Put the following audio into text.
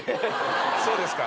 そうですか。